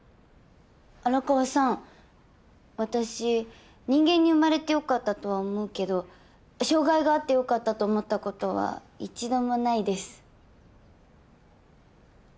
荒川さん私人間に生まれてよかったとは思うけど障害があってよかったと思ったことは一度もないです。